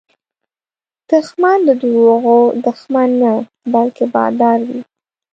دښمن د دروغو دښمن نه، بلکې بادار وي